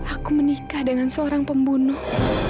aku menikah dengan seorang pembunuh